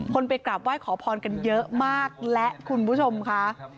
ไปกราบไหว้ขอพรกันเยอะมากและคุณผู้ชมค่ะ